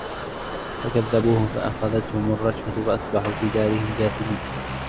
فكذبوه فأخذتهم الرجفة فأصبحوا في دارهم جاثمين